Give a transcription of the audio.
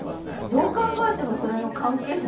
どう考えてもそれの関係者ですね。